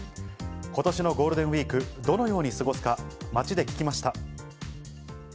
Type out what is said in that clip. ことしのゴールデンウィーク、どのように過ごすか、街で聞きま